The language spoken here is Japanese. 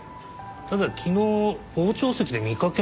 ただ昨日傍聴席で見かけましたね。